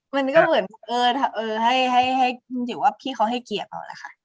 มันก็เหมือนพี่เอาให้เกียบเอาละค่ะ